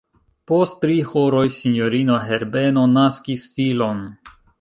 Post tri horoj, sinjorino Herbeno naskis filon.